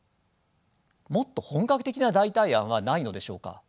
もっと本格的な代替案はないのでしょうか。